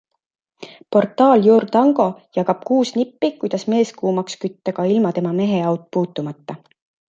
Portaal Your Tango jagab kuus nippi, kuidas mees kuumaks kütta ka ilma tema meheaud puutumata.